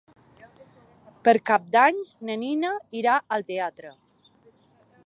Per Cap d'Any na Nina irà al teatre.